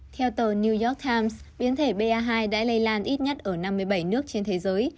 theo tờ new york times biến thể ba hai đã lây lan ít nhất ở năm mươi bảy nước trên thế giới